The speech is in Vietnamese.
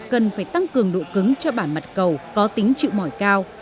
cần phải tăng cường độ cứng cho bản mặt cầu có tính chịu mỏi cao